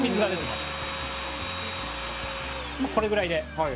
まあこれぐらいで。